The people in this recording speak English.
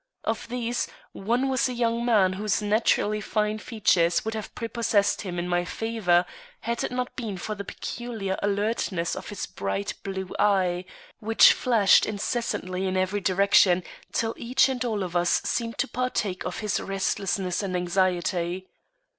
Of these, one was a young man whose naturally fine features would have prepossessed him in my favor had it not been for the peculiar alertness of his bright blue eye, which flashed incessantly in every direction till each and all of us seemed to partake of his restlessness and anxiety.